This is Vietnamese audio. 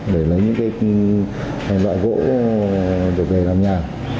để lấy những loại gỗ được để làm nhà